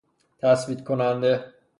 تثبیت کننده